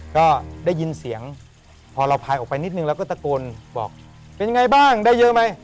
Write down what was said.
ก็ได้ยินเสียงพอเราพายออกไปนิดนึงเราก็ตะโกนบอกเป็นยังไงบ้างได้เยอะไหม